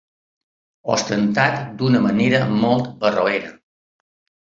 Ostentat d'una manera molt barroera.